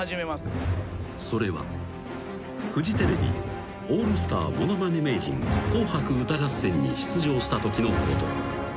［それはフジテレビ『オールスターものまね名人紅白歌合戦』に出場したときのこと］